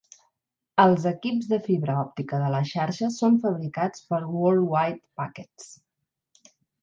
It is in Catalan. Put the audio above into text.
Els equips de fibra òptica de la xarxa són fabricats per World Wide Packets.